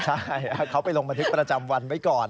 ใช่เขาไปลงบันทึกประจำวันไว้ก่อน